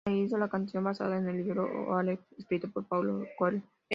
Anahí hizo la canción basada en el libro "O Aleph", escrito por Paulo Coelho.